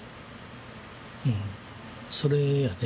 うんそれやね